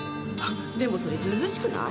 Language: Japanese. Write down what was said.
でもそれずうずうしくない？